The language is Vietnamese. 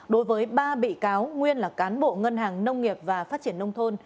đối với ba bị cáo nguyên là cán bộ ngân hàng nông nghiệp và phát triển nông thôn